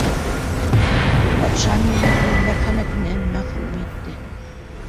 — Батшам мине үҙ мәрхәмәтенән мәхрүм итте.